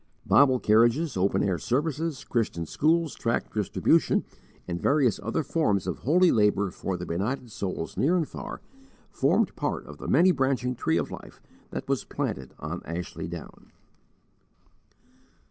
Bible carriages, open air services, Christian schools, tract distribution, and various other forms of holy labour for the benighted souls near and far, formed part of the many branching tree of life that was planted on Ashley Down.